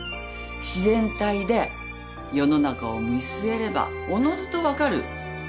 自然体で世の中を見据えればおのずと分かる。